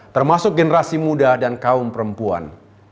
termasuk generasi muda dan kaum perempuan